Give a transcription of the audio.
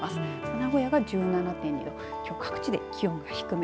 名古屋が１７．２度きょう各地で気温が低め。